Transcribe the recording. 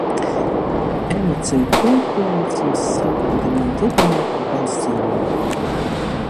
Emoceju puorpylns jis sakūde maņ dybynu da zyluma...